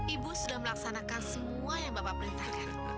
ibu sudah melaksanakan semua yang bapak perintahkan